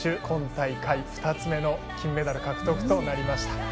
今大会２つ目の金メダル獲得となりました。